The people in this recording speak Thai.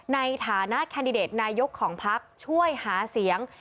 ในฐานะแคนดิเดตนายกของพักช่วยหาเสียง